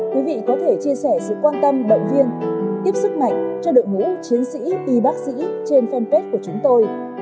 quý vị có thể chia sẻ sự quan tâm động viên tiếp sức mạnh cho đội ngũ chiến sĩ y bác sĩ trên fanpage của chúng tôi